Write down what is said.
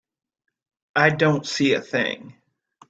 I don't see a thing.